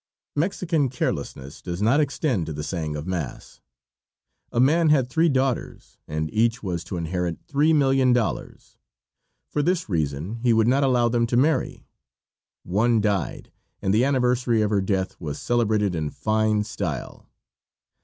Mexican carelessness does not extend to the saying of mass. A man had three daughters, and each was to inherit $3,000,000. For this reason he would not allow them to marry. One died, and the anniversary of her death was celebrated in fine style.